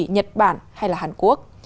nhật bản hay là hàn quốc